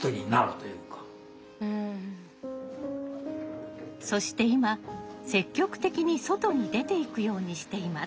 そして今積極的に外に出ていくようにしています。